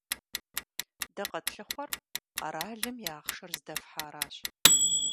Дэ къэтлъыхъуэр къэралым и ахъшэр здэфхьаращ.